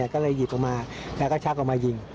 ก็เลยหยิบออกมาแล้วก็ชักออกมายิง